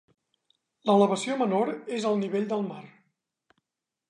L'elevació menor és al nivell del mar.